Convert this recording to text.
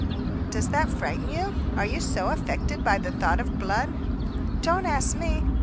"Does that frighten you? Are you so affected by the thought of blood?" "Don't ask me.